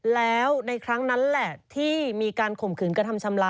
แล้วในครั้งนั้นแหละที่มีการข่มขืนกระทำชำระ